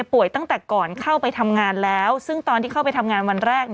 ตั้งแต่ก่อนเข้าไปทำงานแล้วซึ่งตอนที่เข้าไปทำงานวันแรก